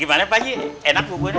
gimana pak haji enak buburnya